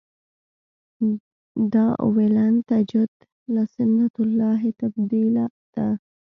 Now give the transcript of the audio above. دا ولن تجد لسنة الله تبدیلا ده.